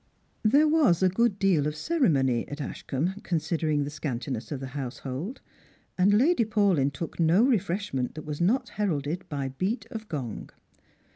There was a good deal of ceremony at Ashcombe, con sidering the scantiness of the household ; and Lady Paulyn took no refreshment that was not heralded by beat of gong.